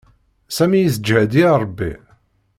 Sami yesǧed i Ṛebbi.